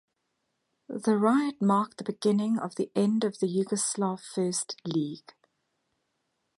The riot marked the beginning of the end for the Yugoslav First League.